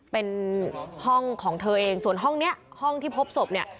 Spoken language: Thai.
เป็นห้องของเธอเองส่วนห้องนี้ห้องที่พบศพเนี่ย